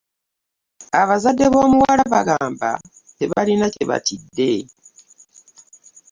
Abazadde b'omuwala bagamba tebalina kye batidde.